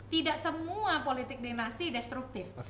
tidak semua politik dinasti destruktif